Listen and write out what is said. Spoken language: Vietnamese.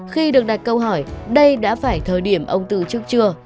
khi được đặt câu hỏi đây đã phải thời điểm ông từ trước chưa